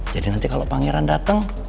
jadi nanti kalo pangeran dateng